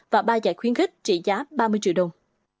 và ba giải khuyến khích trị giá ba mươi triệu đồng